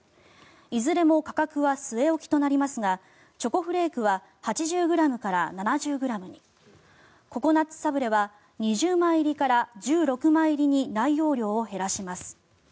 いずれも価格は据え置きとなりますがチョコフレークは８０ｇから７０ｇにココナッツサブレは２０枚入りから１６枚入りに内容量を減らします。